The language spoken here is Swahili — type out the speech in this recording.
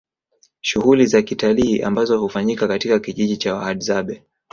Shughuli za kitalii ambazo hufanyika katika kijiji cha Wahadzabe